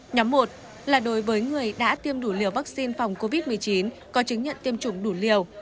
nhóm một là đối với người đã tiêm đủ liều vaccine phòng covid một mươi chín có chứng nhận tiêm chủng đủ liều